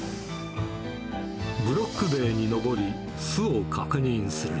ブロック塀に上り、巣を確認する。